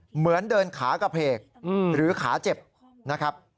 เหมือนเดินขากระเพกหรือขาเจ็บนะครับ